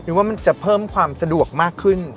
ว่ามันจะเพิ่มความสะดวกมากขึ้น